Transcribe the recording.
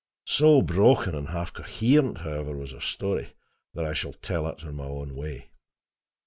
So broken and half coherent, however, was her story that I shall tell it in my own way.